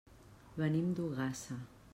Venim d'Ogassa.